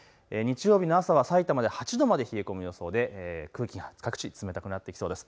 日曜日の朝はさいたまで８度まで冷え込む予想で空気が各地、冷たくなってきそうです。